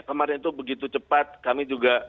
kemarin itu begitu cepat kami juga